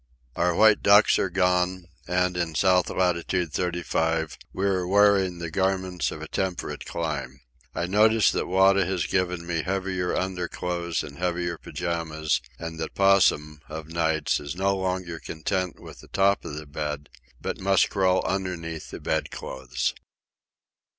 Our white ducks are gone, and, in south latitude thirty five, we are wearing the garments of a temperate clime. I notice that Wada has given me heavier underclothes and heavier pyjamas, and that Possum, of nights, is no longer content with the top of the bed but must crawl underneath the bed clothes.